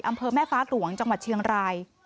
อำเภอแม่ฟ้าหลวงจังหวัดเชียงราย